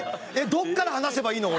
どこから話せばいいの？